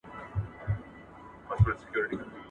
د انټرنیټ نړۍ ډېره پراخه او رنګارنګ ده.